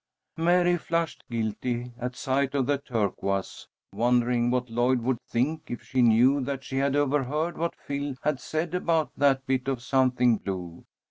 Mary flushed guiltily at sight of the turquoise, wondering what Lloyd would think if she knew that she had overheard what Phil had said about that bit of something blue.